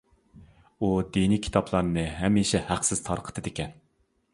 ئۇ دىنىي كىتابلارنى ھەمىشە ھەقسىز تارقىتىدىكەن.